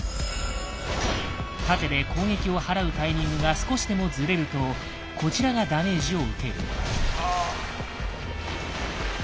盾で攻撃をはらうタイミングが少しでもずれるとこちらがダメージを受ける。